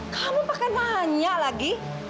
kamu pakan banyak lagi